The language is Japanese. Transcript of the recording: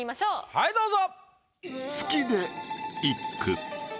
はいどうぞ！